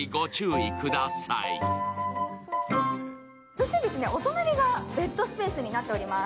そしてお隣がベッドスペースになっています